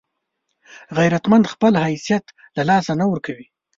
غیرتمند خپل حیثیت له لاسه نه ورکوي